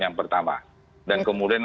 yang pertama dan kemudian